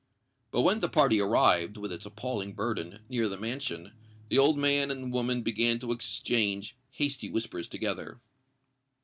But when the party arrived, with its appalling burden, near the mansion, the old man and woman began to exchange hasty whispers together.